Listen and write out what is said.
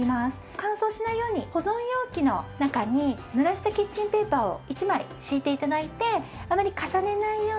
乾燥しないように保存容器の中に濡らしたキッチンペーパーを１枚敷いて頂いてあまり重ねないように入れる。